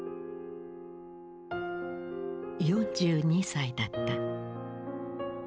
４２歳だった。